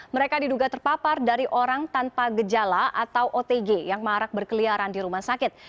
mereka diduga terpapar dari orang tanpa gejala atau otg yang marak berkeliaran di rumah sakit